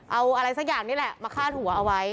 เอาอะไรสักอย่างนี้แหละมาคาดหัวเอาไว้